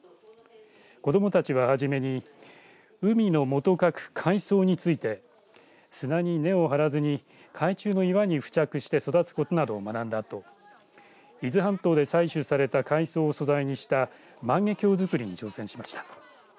子どもたちは、はじめに海の藻と書く海藻について砂に根を張らずに海中の岩に付着して育つことなどを学んだあと伊豆半島で採取された海藻を素材にした万華鏡づくりに挑戦しました。